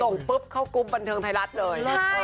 ปุ๊บเข้ากรุ๊ปบันเทิงไทยรัฐเลย